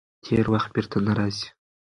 تېر وخت بېرته نه راځي.